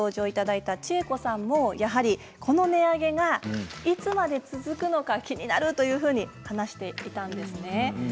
ＶＴＲにご登場したちえこさんも、やはりこの値上げがいつまで続くのか気になるというふうに話していたんですね。